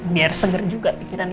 biar seger juga pikirannya